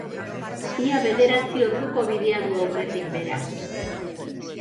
Ia bederatzi orduko bidea du aurretik, beraz.